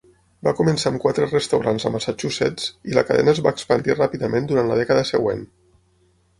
Va començar amb quatre restaurants a Massachusetts i la cadena es va expandir ràpidament durant la dècada següent.